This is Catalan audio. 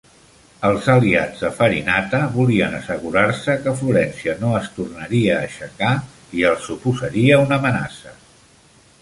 Els aliats de Farinata volien assegurar-se que Florència no es tornaria a aixecar i els suposaria una amenaça.